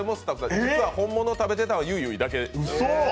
実は本物を食べてたのはゆいゆいだけ。